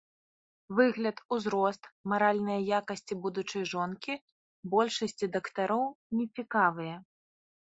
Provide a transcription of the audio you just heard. Выгляд, узрост, маральныя якасці будучай жонкі большасці дактароў не цікавыя.